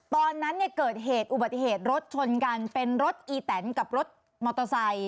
ตอนนั้นเนี่ยเกิดเหตุอุบัติเหตุรถชนกันเป็นรถอีแตนกับรถมอเตอร์ไซค์